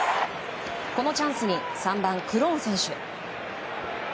このチャンスに３番、クロン選手。